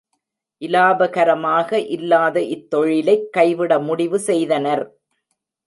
இலாபகரமாக இல்லாத இத்தொழிலைக் கைவிட முடிவு செய்தனர்.